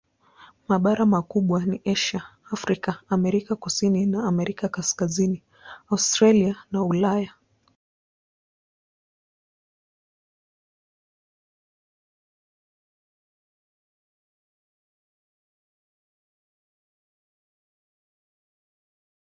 Mabara makubwa ni Asia, Afrika, Amerika Kusini na Amerika Kaskazini, Australia na Ulaya.